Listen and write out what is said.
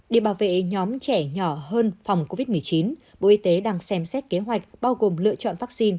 để bảo vệ nhóm trẻ nhỏ hơn phòng covid một mươi chín bộ y tế đang xem xét kế hoạch bao gồm lựa chọn vaccine